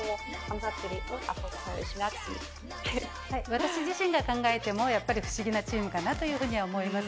私自身が考えてもやっぱり不思議なチームだなというふうに思います。